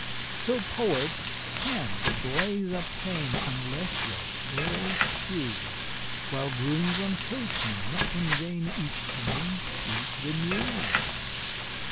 So poets can't the baize obtain, unless their tailors choose; While grooms and coachmen not in vain each evening seek the Mews.